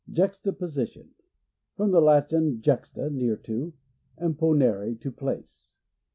Juxtaposition. — From the Latin, jux $ ta, near to, and ponere, to place.